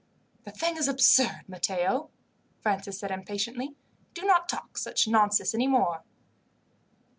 "The thing is absurd, Matteo," Francis said impatiently. "Do not talk such nonsense any more."